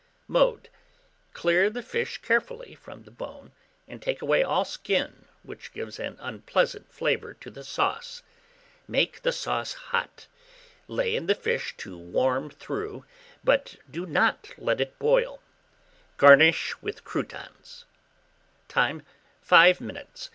Mode. Clear the fish carefully from the bone, and take away all skin, which gives an unpleasant flavour to the sauce. Make the sauce hot, lay in the fish to warm through, but do not let it boil. Garnish with croutons. Time. 5 minutes.